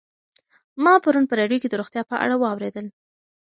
ما پرون په راډیو کې د روغتیا په اړه واورېدل.